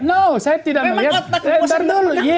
no saya tidak melihat